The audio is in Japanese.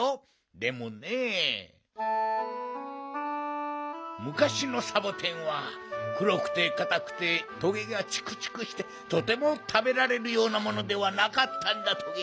でもねむかしのサボテンはくろくてかたくてトゲがチクチクしてとてもたべられるようなものではなかったんだトゲ。